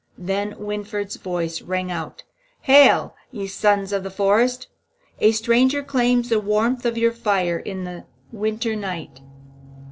Then Winfried's voice rang out, "Hail, ye sons of the forest! A stranger claims the warmth of your fire in the winter night."